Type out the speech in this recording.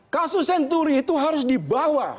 kasus senturi itu harus dibawa